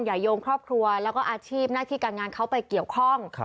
โยงครอบครัวแล้วก็อาชีพหน้าที่การงานเขาไปเกี่ยวข้อง